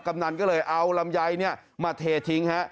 กำนันก็เลยเอาลำไยมาเททิ้งฮะ